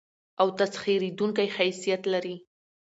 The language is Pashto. او تسخېرېدونکى حيثيت لري.